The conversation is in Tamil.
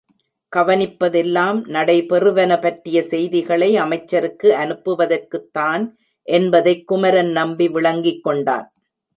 கவனிப்பதெல்லாம் நடைபெறுவன பற்றிய செய்திகளை அமைச்சருக்கு அனுப்பவதற்குத்தான் என்பதைக் குமரன் நம்பி விளங்கிக் கொண்டான்.